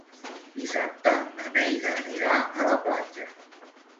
Dissabte na Neida anirà a la platja.